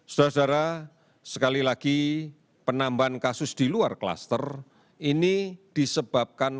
saudara saudara sekali lagi penambahan kasus di luar kluster ini disebabkan